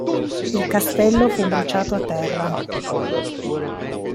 Il castello fu bruciato a terra.